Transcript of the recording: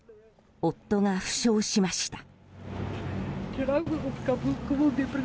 夫が負傷しました。